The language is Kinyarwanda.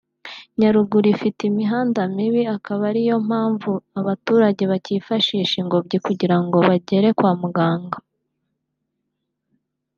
Nyaruguru ifite imihanda mibi akaba ariyo mpamvu abaturage bacyifashisha ingobyi kugira ngo bagere kwa muganga